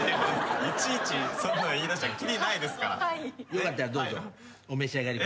よかったらどうぞお召し上がりください。